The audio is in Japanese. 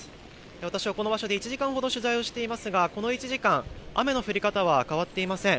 私はこの場所で１時間ほど取材をしていますがこの１時間、雨の降り方は変わっていません。